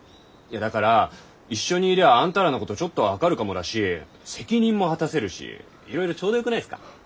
いやだから一緒にいりゃあんたらのことちょっとは分かるかもだし責任も果たせるしいろいろちょうどよくないっすか。